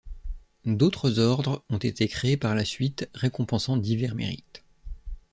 D'autres ordres ont été créés par la suite récompensant divers mérites.